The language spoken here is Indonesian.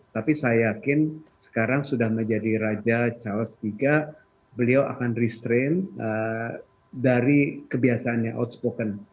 tapi saya yakin sekarang sudah menjadi raja charles iii beliau akan restrain dari kebiasaannya outspoken